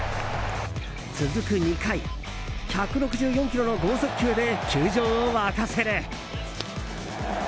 続く２回１６４キロの剛速球で球場を沸かせる。